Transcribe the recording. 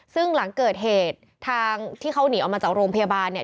ซึ่งหลังเกิดเหตุทางที่เขาหนีออกมาจากโรงพยาบาลเนี่ย